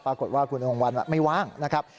ปรากฏว่าคุณหงวันไม่ว่างนะครับ